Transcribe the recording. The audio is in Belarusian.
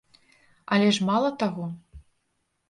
Але ж мала таго.